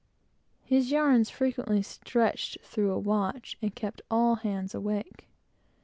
His yarns frequently stretched through a watch, and kept all hands awake.